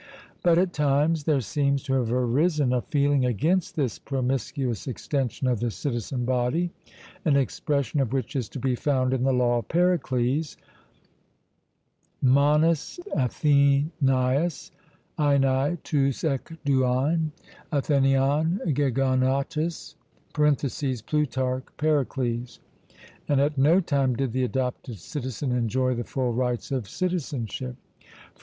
But at times there seems to have arisen a feeling against this promiscuous extension of the citizen body, an expression of which is to be found in the law of Pericles monous Athenaious einai tous ek duoin Athenaion gegonotas (Plutarch, Pericles); and at no time did the adopted citizen enjoy the full rights of citizenship e.